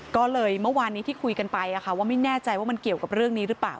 ก็เลยเมื่อวานนี้ที่คุยกันไปว่าไม่แน่ใจว่ามันเกี่ยวกับเรื่องนี้หรือเปล่า